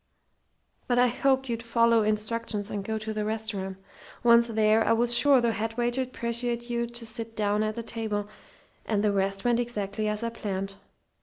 "But I hoped you'd follow instructions and go to the restaurant. Once there, I was sure the head waiter'd persuade you to sit down at a table; and the rest went exactly as I planned.